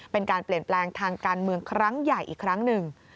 เป็นการเปลี่ยนแปลงทางการเมืองครั้งใหญ่อีกครั้งหนึ่ง